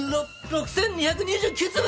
６２２９粒！